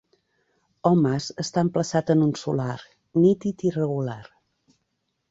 El mas està emplaçat en un solar nítid i regular.